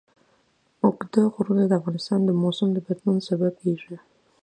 اوږده غرونه د افغانستان د موسم د بدلون سبب کېږي.